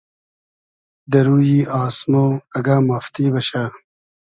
دۂ رویی آسمۉ اگۂ مافتی بئشۂ